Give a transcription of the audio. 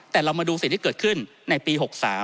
แต่เรามาดูสิ่งที่เกิดขึ้นในปี๖๓